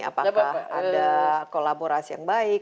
apakah ada kolaborasi yang baik